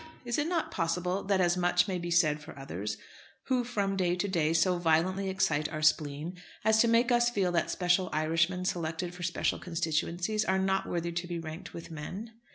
Is it not possible that as much may be said for others, who from day to day so violently excite our spleen, as to make us feel that special Irishmen selected for special constituencies are not worthy to be ranked with men?